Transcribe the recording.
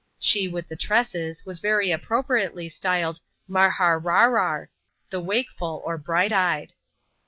She with the tresses was very appropriately styled Marhar Rarrar, the Wakeful, or Bright eyed.